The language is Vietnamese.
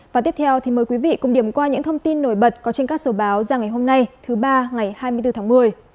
và tiếp theo thì mời quý vị cùng điểm qua những thông tin nổi bật có trên các số báo ra ngày hôm nay thứ ba ngày hai mươi bốn tháng một mươi